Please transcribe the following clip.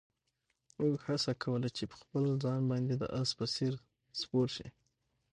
اوښ هڅه کوله چې په خپل ځان باندې د اس په څېر سپور شي.